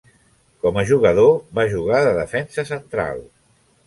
Com a jugador, va jugar de defensa central.